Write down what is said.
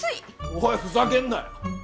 おいふざけるなよ！